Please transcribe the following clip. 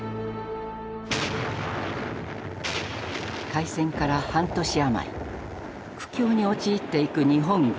開戦から半年余り苦境に陥っていく日本軍。